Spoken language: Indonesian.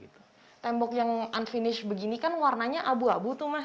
tembok yang unfinish begini kan warnanya abu abu tuh mas